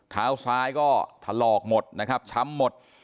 เท้าซ้ายก็ถลอกหมดนะครับช้ำหมด